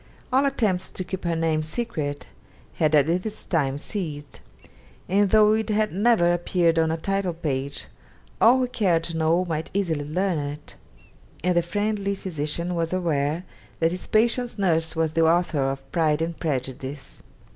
All attempts to keep her name secret had at this time ceased, and though it had never appeared on a title page, all who cared to know might easily learn it: and the friendly physician was aware that his patient's nurse was the author of 'Pride and Prejudice.'